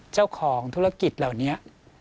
เจ้าของธุรกิจเหล่านี้